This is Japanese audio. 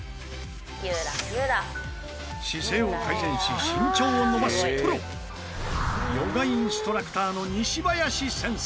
「ゆらゆら」姿勢を改善し身長を伸ばすプロヨガインストラクターの西林先生。